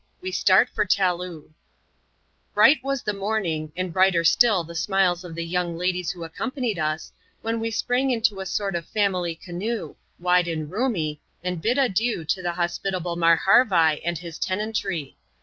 We start for Taloa Bright was the morning, and brighter still the smiles of the jTOung ladies who accompanied us, when we sprang into a sort of family canoe — wide and roomy — and bade adieu to the hos pitable Marharvai and his tenantry.